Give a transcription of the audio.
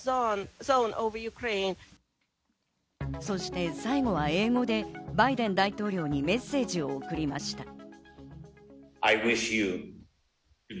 そして最後は英語でバイデン大統領にメッセージを送りました。